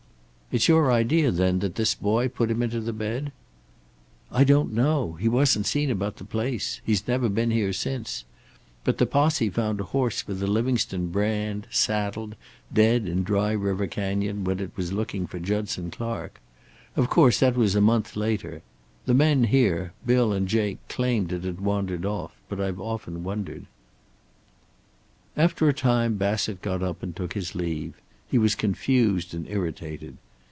"It's your idea, then, that this boy put him into the bed?" "I don't know. He wasn't seen about the place. He's never been here since. But the posse found a horse with the Livingstone brand, saddled, dead in Dry River Canyon when it was looking for Judson Clark. Of course, that was a month later. The men here, Bill and Jake, claimed it had wandered off, but I've often wondered." After a time Bassett got up and took his leave. He was confused and irritated.